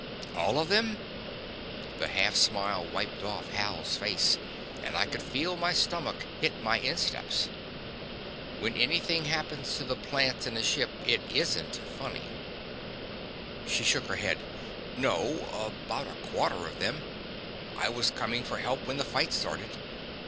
"All of them?" The half smile wiped off Hal's face, and I could feel my stomach hit my insteps. When anything happens to the plants in a ship, it isn't funny. She shook her head again. "No about a quarter of them. I was coming for help when the fight started.